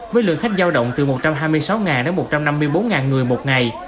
với lượng khách giao động từ một trăm hai mươi sáu đến một trăm năm mươi bốn người một ngày